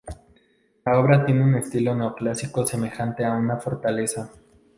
La obra tiene un estilo neoclásico semejante a una fortaleza.